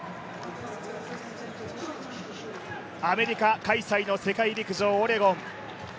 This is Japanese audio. アメリカ開催の世界陸上オレゴン。